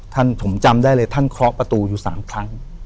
ผมจำได้เลยท่านเคาะประตูอยู่๓ครั้ง